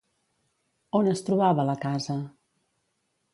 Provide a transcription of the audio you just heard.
On es trobava la casa?